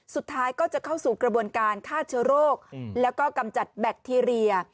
สุดท้ายก็จะเข้าสู่กระบวนการฆ่าเชื้อโรคแล้วก็กำจัดแบคทีเรีย